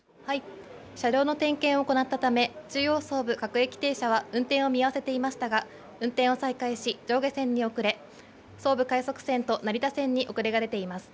車両の点検を行ったため、中央・総武各駅停車は運転を見合わせていましたが、運転を再開し、上下線に遅れ、総武快速線と成田線に遅れが出ています。